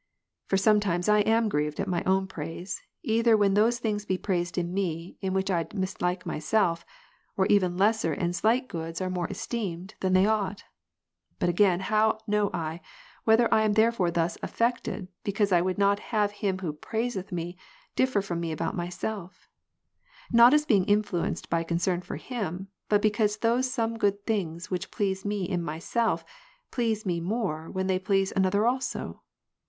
For sometimes I am grieved at my own praise, either when those things be praised in me, in which I mislike myself, or even lesser and slight goods are more esteemed, than they ought. But again how know I whether I am therefore thus affected, because I would not have him who praiseth me, differ from me about myself ; not as being influenced by concern for him, but because those same good things which please me in myself, please me more when they please another also